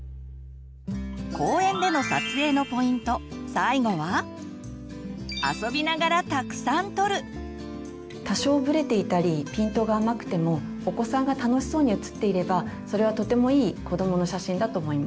最後は多少ブレていたりピントが甘くてもお子さんが楽しそうに写っていればそれはとてもいい子どもの写真だと思います。